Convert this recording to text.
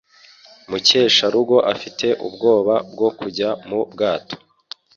mukesharugo afite ubwoba bwo kujya mu bwato